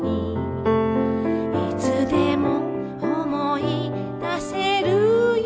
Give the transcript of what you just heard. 「いつでも思い出せるよ」